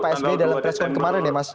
pak sp dalam presscon kemarin ya mas